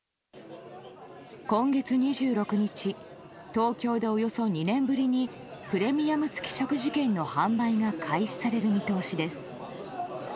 今月２６日東京でおよそ２年ぶりにプレミアム付食事券の販売が開始される見通しです。